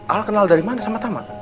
al kenal dari mana sama taman